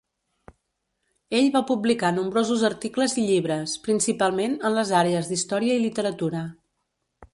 Ell va publicar nombrosos articles i llibres, principalment en les àrees d'història i literatura.